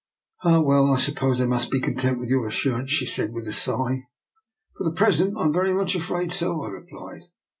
Ah, well, I suppose I must be content with your assurance," she said with a sigh. " For the present, I am very much afraid so," I replied.